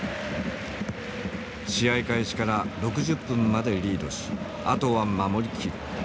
「試合開始から６０分までリードしあとは守り切る」。